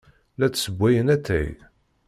La d-ssewwayen atay.